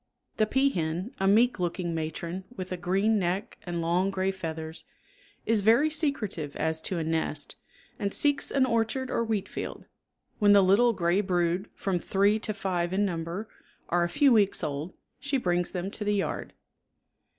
The peahen, a meek looking matron with a green neck and long gray feathers, is very secretive as to a nest, and seeks an orchard or wheatfield. When the little gray brood, from three to five in number, are a few weeks old she brings them to the yard.